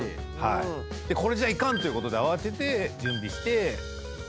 これじゃいかんということで慌てて準備して。